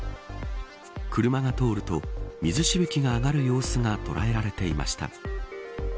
車が通ると水しぶきが上がる様子が捉えられていました。